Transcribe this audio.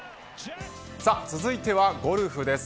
続いてはゴルフです。